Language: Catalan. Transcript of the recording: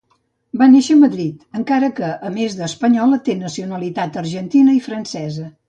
Va néixer a Madrid, encara que, a més de l'espanyola, té nacionalitat argentina i francesa.